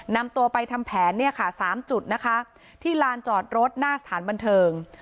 นำตัวไปทำแผนเนี่ยค่ะ๓จุดนะคะที่ลานจอดรถหน้าสถานบันเทิง